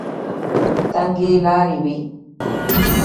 تنګې لارې وې.